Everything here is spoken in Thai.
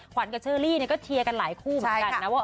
ขวัญกับเชอรี่ก็เชียร์กันหลายคู่เหมือนกันนะว่า